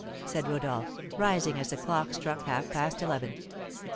said Rodolph, rising as the clock struck half past eleven.